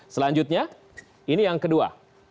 selanjutnya ini yang kedua